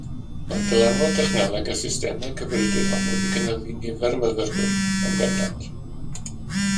Mae dylanwad technoleg a systemau cyfrifiadurol wedi cynyddu nifer y myfyrwyr yn bendant.